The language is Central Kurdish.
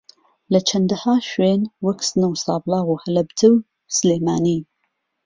لە چەندەھا شوێن وەک سنە و سابڵاخ و ھەڵەبجە و سلێمانی